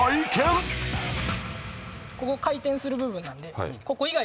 ここ回転する部分なんで。